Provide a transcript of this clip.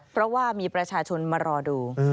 เพราะว่ามีประชาชนมารอดู